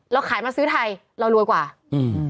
เราขายมาซื้อไทยเรารวยกว่าอืม